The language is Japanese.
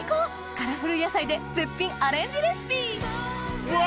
カラフル野菜で絶品アレンジレシピうわ！